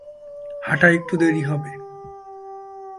হাঁটা, একটু দেরি হবে।